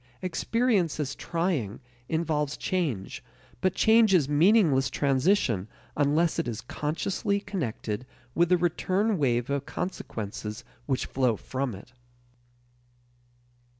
Experience as trying involves change, but change is meaningless transition unless it is consciously connected with the return wave of consequences which flow from it.